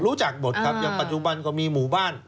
รู้จักหมดครับอย่างปัจจุบันก็มีหมู่บ้าน